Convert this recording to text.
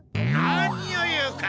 何を言うか！